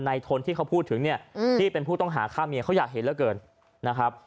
ทนที่เขาพูดถึงเนี่ยที่เป็นผู้ต้องหาฆ่าเมียเขาอยากเห็นเหลือเกินนะครับ